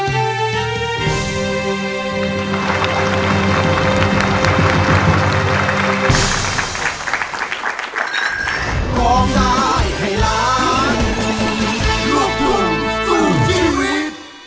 ก็อ่อนเดียงสาฟ้องน้ำหนาเหลือเกิน